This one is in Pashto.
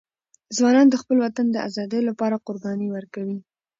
ځوانان د خپل وطن د ازادۍ لپاره قرباني ورکوي.